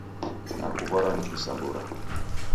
Nakuw'arwa ni kisambura.